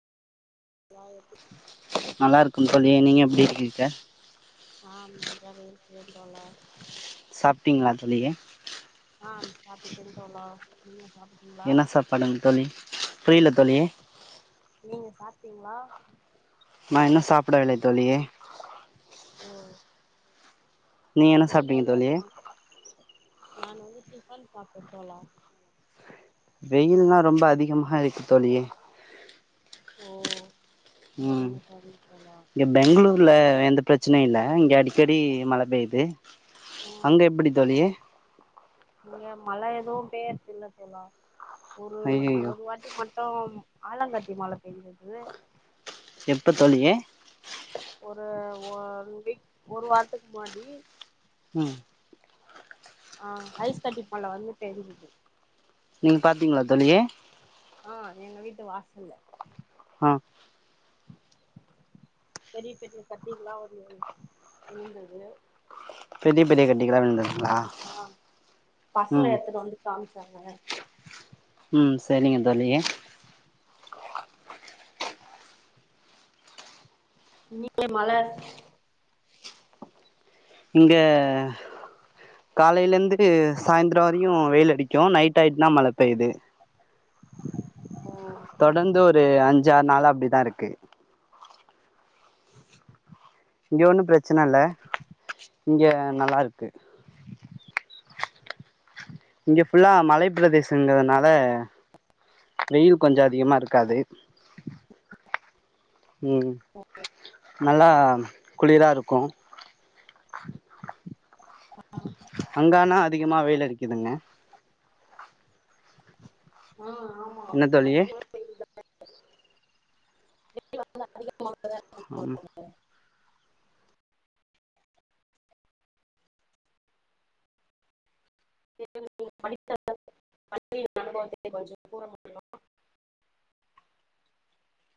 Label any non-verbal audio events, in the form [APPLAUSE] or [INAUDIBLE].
ஆ okay நல்லாருக்கும் தோழி நீங்க எப்டி இருக்கீக ஆம் நன்றாக இருக்கிறேன் தோழா சாப்ட்டீங்ளா தோழியே ஆம் சாப்பிட்டேன் தோழா நீங்க சாப்பிட்டீங்களா என்ன சாப்பாடுங் தோழி புரியல தோழி நீங்க சாப்ட்டீங்ளா நா இன்னு சாப்பிடவில்லை தோழி ஓ நீங்க என்ன சாப்ட்டீங்க வெயிலெல்லா தோழி நா நானு வந்து டிஃபன் சாப்ட்டே தோழா வெயில்லா ரொம்ப அதிகமா இருக்கு தோழி ஓ சரிங் சரிங் தோழா ங்க பெங்ளூர்ல எந்த பிரச்சனையு இல்ல இங்க அடிக்கடி மழ பேய்து ம் அங்க எப்டி தோழியே இங்க மழ எதுவு பேய்ர்தில்ல தோழா ஒரு ஹய்யயோ ஒரு வாட்டி மட்டும் ஆலங்கட்டி மழ பெஞ்சது எப்ப தோழியே ஒரு ஒரு வீக் ஒரு வாரத்க்கு முனாடி ம் ஆ ஐஸ் கட்டி மழ வந்து பேஞ்சுது நீங் பாத்தீங்ளா தோழியே ஆ எங்க வீட்டு வாசல்ல ஆ பெரிய பெரிய கட்டிகளா வந்து விழுந்தது பெரிய பெரிய கட்டிகளா விழ்ந்ததுங்ளா ஆ பசங்க எடுத்துட்டு வந்து காமிச்சாங்க ம் சரிங்க தோழி நீங்களே மழ இங்க காலையிலந்து சாந்தரோ வரியு வெயில் அடிக்கு நைட் ஆயிட்னா மழ பெய்யுது ஓ தொடர்ந்து ஒரு அஞ்சு ஆறு நாளா அப்டிதா இருக்கு இங்க ஒன்னு பிரச்சன இல்ல இங்க நல்லா இருக்கு இங்க ஃபுல்லா மலைப்பிரதேசங்கறதுனால வெயில் கொஞ்சோ அதிகமா இருக்காது ம் நல்லா குளிரா இருக்கு அங்க ஆனா அதிகமா வெயில் அடிக்குதுங்க ம் ஆமா என்ன தோழியே அதிகமா வெயில் வந்து அதிகமாக இருக்கு ஆமா [INAUDIBLE] [INAUDIBLE] கொஞ்சோ தூரோ போனு